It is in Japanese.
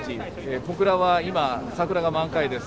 小倉は今桜が満開です。